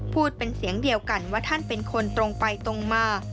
พูดเป็นเสียงเดียวกันว่าท่านเป็นคนตรงไปตรงมา